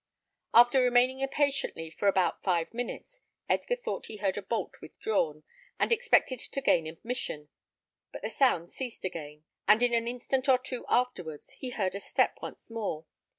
After remaining impatiently for about five minutes, Edgar thought he heard a bolt withdrawn, and expected to gain admission; but the sound ceased again, and in an instant or two afterwards, he heard a step once more.